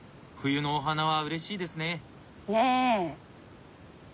冬のお花はうれしいですね。ね。